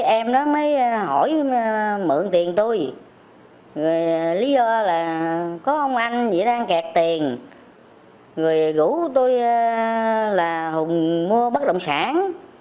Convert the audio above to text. em đó mới hỏi mượn tiền tôi lý do là có ông anh gì đang kẹt tiền người gửi tôi là hùng mua bất động sản